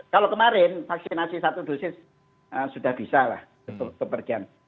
kalau kemarin vaksinasi satu dosis sudah bisa lah untuk kepergian